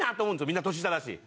みんな年下だし。